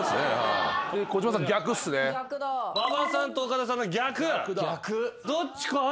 馬場さんと岡田さんが逆。